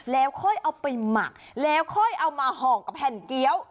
แล้วค่อยเอาไปหมักแล้วค่อยเอามาห่อกับแผ่นเกี้ยว